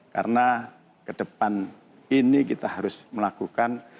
karena kedepan ini kita harus melakukan